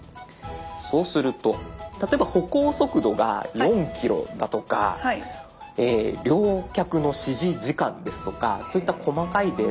そうすると例えば歩行速度が４キロだとか両脚の支持時間ですとかそういった細かいデータ